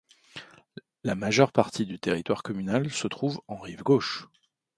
La majeure partie du territoire communal se trouve en rive gauche.